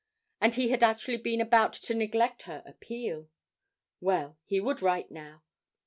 And he had actually been about to neglect her appeal! Well, he would write now.